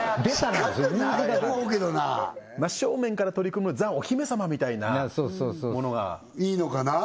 近くないと思うけどな真正面から取り組むザお姫様みたいなそうそうそういいのかな